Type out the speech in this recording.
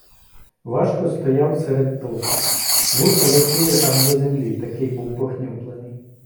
Важко стояв серед току, вуса висіли аж до землі, такий був похнюплений.